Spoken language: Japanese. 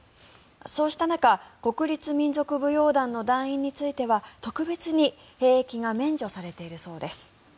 そうした中国立民族舞踊団の団員については特別に兵役が免除されているそうです。